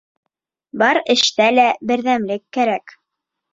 Бар эштә лә берҙәмлек кәрәк.